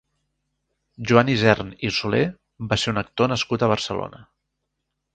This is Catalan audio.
Joan Isern i Solé va ser un actor nascut a Barcelona.